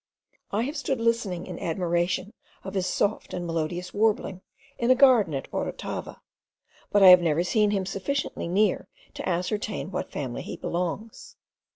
I have stood listening in admiration of his soft and melodious warbling, in a garden at Orotava; but I have never seen him sufficiently near to ascertain to what family he belongs.